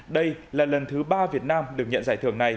đây là lần thứ ba việt nam được nhận giải thưởng này